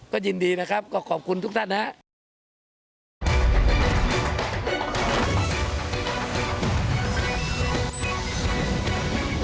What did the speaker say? ก็ยินดีนะครับก็ขอบคุณทุกท่านนะครับ